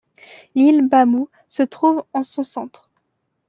L'île Bamou se trouve en son centre.